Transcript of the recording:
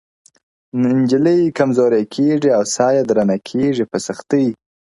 نجلۍ کمزورې کيږي او ساه يې درنه کيږي په سختۍ-